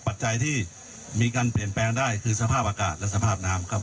ปัจจัยที่มีการเปลี่ยนแปลงได้คือสภาพอากาศและสภาพน้ำครับ